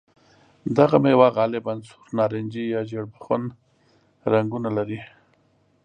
دغه مېوه غالباً سور، نارنجي یا ژېړ بخن رنګونه لري.